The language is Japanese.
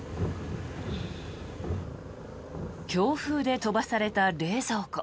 強風で飛ばされた冷蔵庫。